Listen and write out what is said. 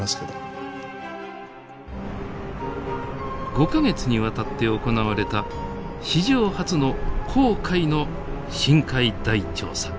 ５か月にわたって行われた史上初の紅海の深海大調査。